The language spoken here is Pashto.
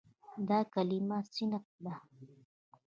دا کلمه "صنف" ده.